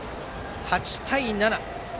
８対７。